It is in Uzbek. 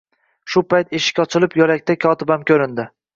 Shu payt eshik ochilib, yo'lakda kotibam ko'rindi